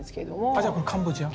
あじゃあこれカンボジア？